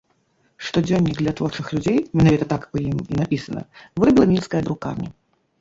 Штодзённік для творчых людзей, менавіта так у ім і напісана, вырабіла мінская друкарня.